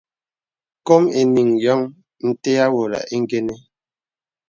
Kôm enīŋ yôŋ ntə́ avōlə īngə́nə́.